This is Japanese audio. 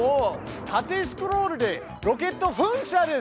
縦スクロールでロケットふん射です！